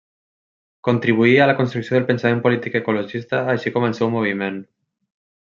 Contribuí a la construcció del pensament polític ecologista així com al seu moviment.